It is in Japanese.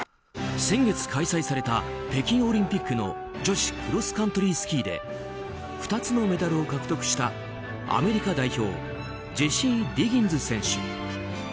先月開催された北京オリンピックの女子クロスカントリースキーで２つのメダルを獲得したアメリカ代表ジェシー・ディギンズ選手。